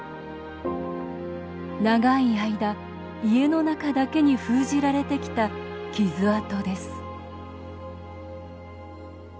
長い間、家の中だけに封じられてきた傷痕です